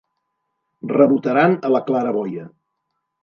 Rebotaran a la claraboia.